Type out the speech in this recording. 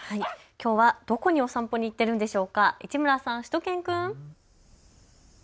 きょうはどこにお散歩に行っているんでしょうか、市村さん、しゅと犬くん。